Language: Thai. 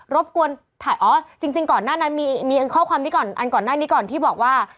รบกวนท่าจริงอันก่อนหน้านี้ก่อนที่บอกว่า